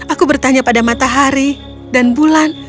aku bertanya pada matahari dan bulan